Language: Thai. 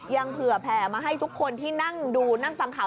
ยังเผื่อแผ่มาให้ทุกคนที่นั่งดูนั่งฟังข่าว